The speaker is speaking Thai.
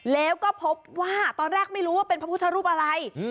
แล้วก็พบว่าตอนแรกไม่รู้ว่าเป็นพระพุทธรูปอะไร